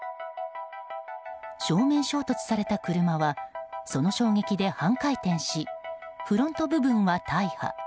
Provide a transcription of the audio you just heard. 正面衝突された車はその衝撃で半回転しフロント部分は大破。